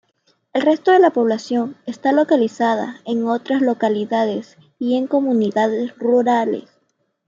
El resto de la población está localizada en otras localidades y en comunidades rurales.